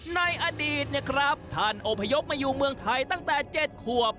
ในอดีตเนี่ยครับท่านอพยพมาอยู่เมืองไทยตั้งแต่เจ็ดขวบ